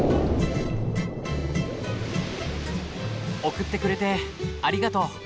送ってくれてありがとう。